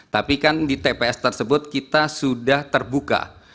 tapi kan di tps tersebut kita sudah terbuka